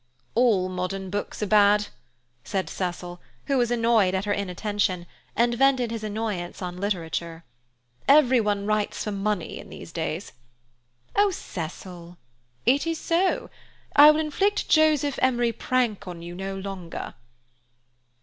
"All modern books are bad," said Cecil, who was annoyed at her inattention, and vented his annoyance on literature. "Every one writes for money in these days." "Oh, Cecil—!" "It is so. I will inflict Joseph Emery Prank on you no longer."